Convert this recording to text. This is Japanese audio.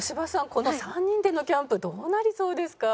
この３人でのキャンプどうなりそうですか？